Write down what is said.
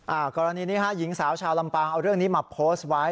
กรณีนี้ฮะหญิงสาวชาวลำปางเอาเรื่องนี้มาโพสต์ไว้